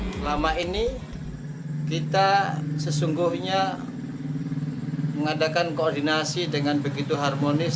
selama ini kita sesungguhnya mengadakan koordinasi dengan begitu harmonis